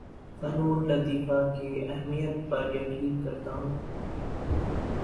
فنون لطیفہ کی اہمیت پر یقین کرتا ہوں